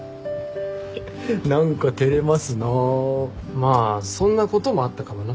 まあそんなこともあったかもな。